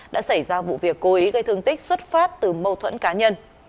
đã xảy ra vụ việc cố ý gây thương tích xuất phát từ mâu thuẫn cá nhân